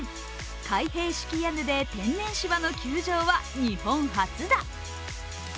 開閉式屋根で天然芝の球場は日本初だ。